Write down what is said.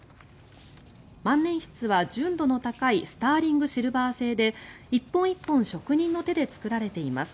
万年筆は純度の高いスターリングシルバー製で１本１本職人の手で作られています。